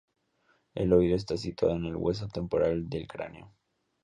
El oído está situado en el hueso temporal del cráneo.